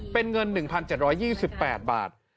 เป็นเงิน๑๗๒๘บาท